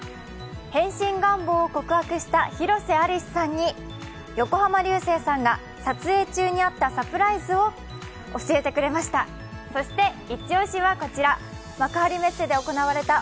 変身願望を告白した広瀬アリスさんに横浜流星さんが撮影中にあったサプライズを教えてくれました。